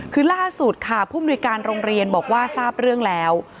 คือล่าสุดค่ะผู้มนุยการโรงเรียนบอกว่าทราบเรื่องแล้ว